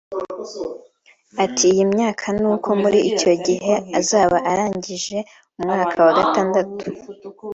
Ati “ iyi myaka nuko muri icyo gihe azaba arangije umwaka wa gatandatu